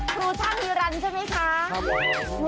ครูช่างฮิลลันใช่ไหมคะครับผม